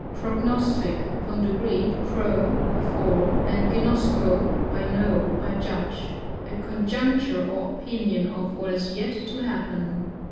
Prognostic. — From the Greek, pro, before, and ginosko, I know, I . judge. A conjecture or opinion of what is yet to happen.